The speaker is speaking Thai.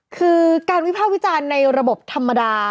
คือการวิภาควิจารณ์ในระบบธรรมดา